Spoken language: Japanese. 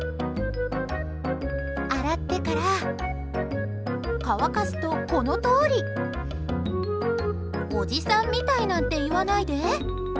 洗ってから乾かすとこのとおり。おじさんみたいなんて言わないで。